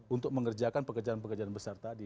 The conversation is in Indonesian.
untuk mengerjakan pekerjaan pekerjaan besar tadi